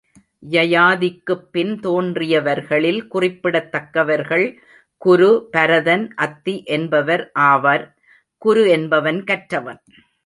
யயாதிக்குப் பின் தோன்றியவர்களில் குறிப்பிடத்தக்கவர்கள் குரு, பரதன், அத்தி என்பவர் ஆவர். குரு என்பவன் கற்றவன்.